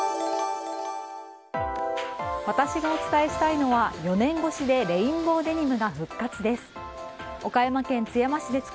私がお伝えしたいのは４年越しでレインボーデニムが復活です。